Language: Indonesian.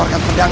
aku akan menang